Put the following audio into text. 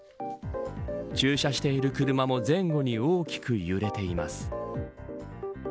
駐車している車も前後に大きく揺れています。